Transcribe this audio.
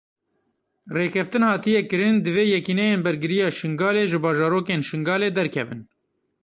Rêkeftin hatiye kirin divê Yekîneyên Bergiriya Şingalê ji bajarokên Şingalê derkevin.